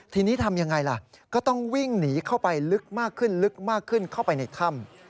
ทีนี้ทำยังไงล่ะก็ต้องวิ่งหนีเข้าไปลึกมากขึ้นลึกมากขึ้นเข้าไปในถ้ำ